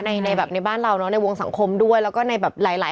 ในในแบบในบ้านเราเนอะในวงสังคมด้วยแล้วก็ในแบบหลายหลาย